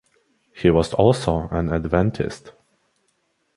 He was also an Adventist.